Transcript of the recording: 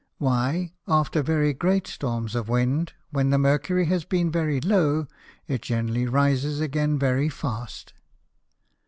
_Why after very great Storms of Wind, when the Mercury has been very low, it generally rises again very fast?